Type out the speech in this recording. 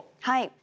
はい。